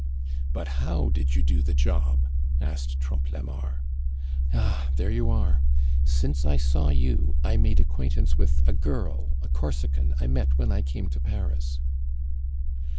"But how did you do the job?" asked Trompe la Mort. "Ah! there you are. Since I saw you I made acquaintance with a girl, a Corsican, I met when I came to Paris."